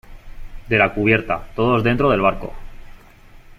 de la cubierta . todos dentro del barco .